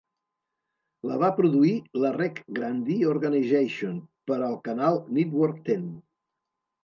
La va produir la Reg Grundy Organisation per al canal Network Ten.